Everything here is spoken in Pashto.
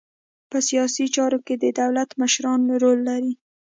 په سیاسي چارو کې د دولت مشران رول لري